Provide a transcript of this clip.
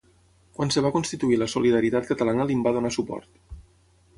Quan es va constituir la Solidaritat Catalana li'n va donar suport.